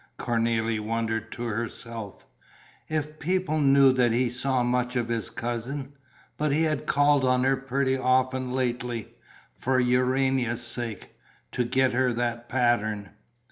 Cornélie wondered to herself if people knew that he saw much of his cousin; but he had called on her pretty often lately, for Urania's sake, to get her that pattern.